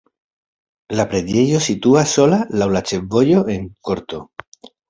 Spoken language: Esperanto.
La preĝejo situas sola laŭ la ĉefvojo en korto.